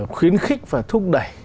khuyến khích và thúc đẩy